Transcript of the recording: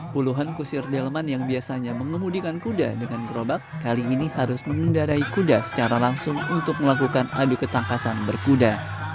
puluhan kusir delman yang biasanya mengemudikan kuda dengan gerobak kali ini harus mengendarai kuda secara langsung untuk melakukan adu ketangkasan berkuda